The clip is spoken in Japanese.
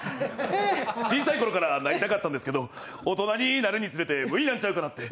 小さい頃からなりたかったんですけど大人になるにつれて無理なんちゃうんかなて。